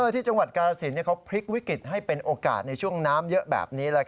ที่จังหวัดกาลสินเขาพลิกวิกฤตให้เป็นโอกาสในช่วงน้ำเยอะแบบนี้